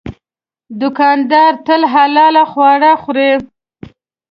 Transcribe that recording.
دوکاندار تل حلال خواړه خوري.